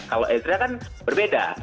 kalau edra kan berbeda